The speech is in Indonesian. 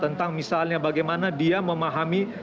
tentang bagaimana dia memahami